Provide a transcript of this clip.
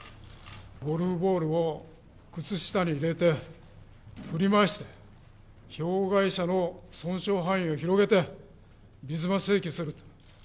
ゴルフボールを靴下に入れて、振り回して、ひょう害車の損傷範囲を広げて水増し請求する。